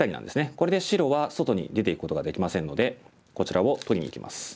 これで白は外に出ていくことができませんのでこちらを取りにいきます。